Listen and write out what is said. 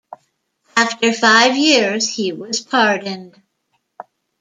After five years, he was pardoned.